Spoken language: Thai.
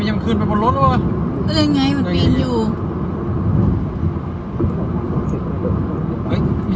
มันยังคืนไปบนรถว่ะอะไรไงมันพินอยู่